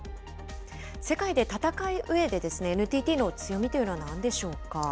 世界で戦ううえで、ＮＴＴの強みというのはなんでしょうか。